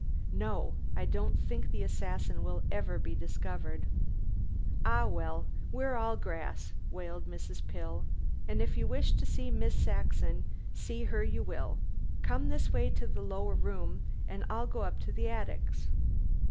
"No! I don't think the assassin will ever be discovered." "Ah, well. We're all grass," wailed Mrs. Pill; "but if you wish to see Miss Saxon, see her you will. Come this way to the lower room, an' I'll go up to the attics."